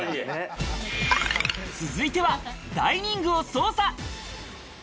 続いてはダイニングを捜査。